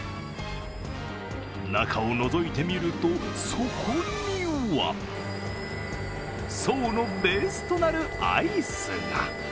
中をのぞいてみると、そこには爽のベースとなるアイスが。